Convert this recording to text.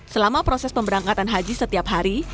selama proses pemberangkatan haji setiap hari